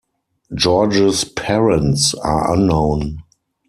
George's parents are unknown.